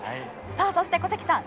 そして、小関さん